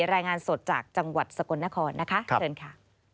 รายงานสดจากจังหวัดสกลนครนะคะเชิญค่ะ